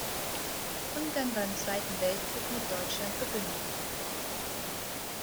Ungarn war im Zweiten Weltkrieg mit Deutschland verbündet.